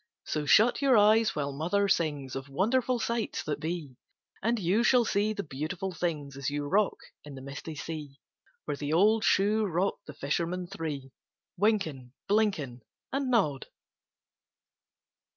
So shut your eyes while mother sings Of wonderful sights that be, And you shall see the beautiful things As you rock in the misty sea, Where the old shoe rocked the fishermen three, Wynken, Blynken, And Nod.